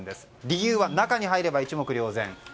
理由は中に入れば一目瞭然。